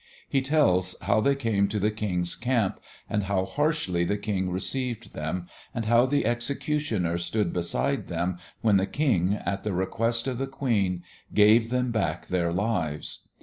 He tells how they came to the King's camp and of how harshly the King received them and how the executioner stood beside them when the King, at the request of the Queen, gave them back their lives.